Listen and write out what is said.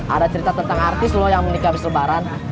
ada cerita tentang artis lo yang menikah abis lebaran